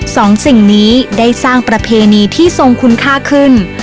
สองสิ่งนี้ได้สร้างประเพณีที่ทรงคุณค่าขึ้น